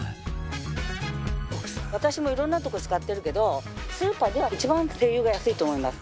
私もいろんなとこ使ってるけどスーパーでは一番ＳＥＩＹＵが安いと思います。